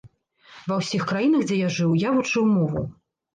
Ва ўсіх краінах, дзе я жыў, я вучыў мову.